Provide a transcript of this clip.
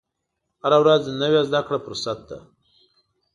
هره ورځ نوې زده کړه فرصت ده.